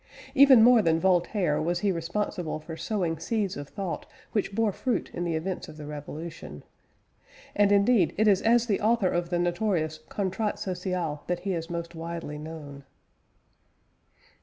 Even more than Voltaire was he responsible for sowing seeds of thought which bore fruit in the events of the Revolution. And indeed, it is as the author of the notorious Contrat Social that he is most widely known.